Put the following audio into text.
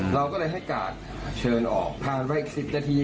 เราก็เลยให้กาดเชิญออกผ่านไปอีก๑๐นาที